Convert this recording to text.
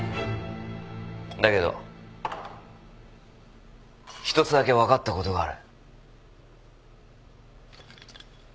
だけど１つだけ分かったことがある。